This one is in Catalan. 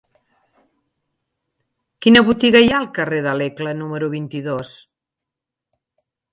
Quina botiga hi ha al carrer de Iecla número vint-i-dos?